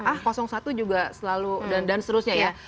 ah satu juga selalu dan seterusnya ya